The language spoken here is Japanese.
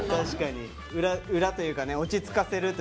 裏というかね落ち着かせるというか。